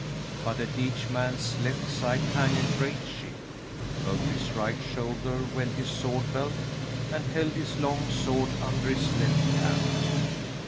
But at each man's left side hung a great shield. Over his right shoulder went his sword belt and held his long sword under his left hand.